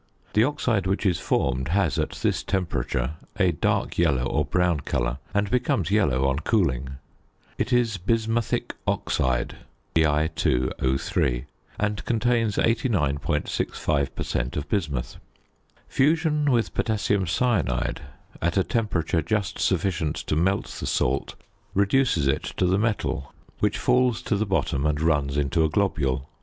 The oxide which is formed has, at this temperature, a dark yellow or brown colour, and becomes yellow on cooling. It is bismuthic oxide (Bi_O_) and contains 89.65 per cent. of bismuth. Fusion with potassium cyanide at a temperature just sufficient to melt the salt reduces it to the metal which falls to the bottom and runs into a globule.